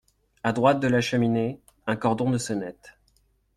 À droite de la cheminée, un cordon de sonnette.